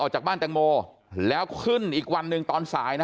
จากบ้านแตงโมแล้วขึ้นอีกวันหนึ่งตอนสายนะ